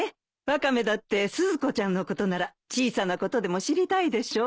ワカメだってスズコちゃんのことなら小さなことでも知りたいでしょ？